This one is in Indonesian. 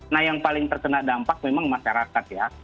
nah yang paling terkena dampak memang masyarakat ya